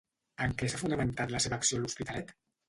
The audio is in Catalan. En què s'ha fonamentat la seva acció a l'Hospitalet?